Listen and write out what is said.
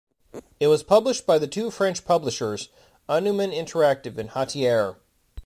It was published by the two French publishers: Anuman Interactive and Hatier.